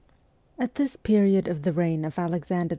At this period of the reign of Alexander II.